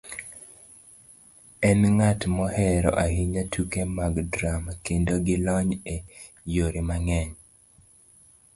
enng'at mohero ahinya tuke mag drama, kendo gi lony e yore mang'eny.